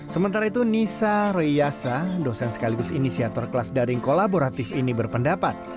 sementara itu nisa royasa dosen sekaligus inisiator kelas daring kolaboratif ini berpendapat